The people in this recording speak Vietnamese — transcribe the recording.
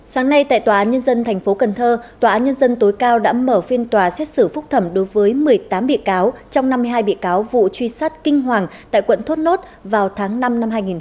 sáng nay tại tòa nhân dân tp cần thơ tòa án nhân dân tối cao đã mở phiên tòa xét xử phúc thẩm đối với một mươi tám bị cáo trong năm mươi hai bị cáo vụ truy sát kinh hoàng tại quận thốt nốt vào tháng năm năm hai nghìn một mươi chín